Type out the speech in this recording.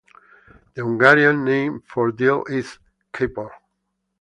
The Hungarian name for dill is "kapor".